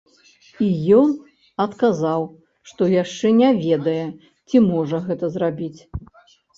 І ён адказаў, што яшчэ не ведае, ці можа гэта зрабіць.